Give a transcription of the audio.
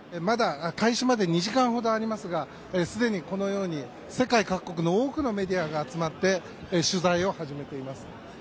まだ開始まで２時間ほどありますがすでにこのように世界各国の多くのメディアが集まって、取材を始めています。